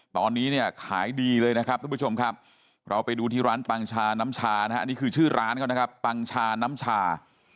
ไปดูที่ร้านปังชาน้ำชานะครับอันนี้คือชื่อร้านเขานะครับปังชาน้ำชา